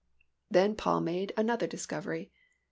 Then Paul made another discovery.